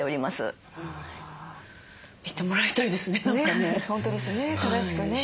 見てもらいたいですね何かね。